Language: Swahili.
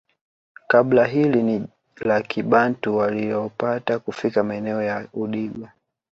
Kabila hili ni la kibantu waliopata kufika maeneo ya Udigo